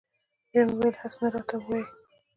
بیا مې ویل هسې نه راته ووایي.